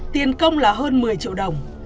tiền công là hơn một mươi triệu đồng